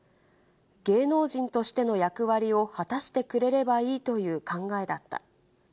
芸能人としての役割を果たしてくれればいいという考えだった。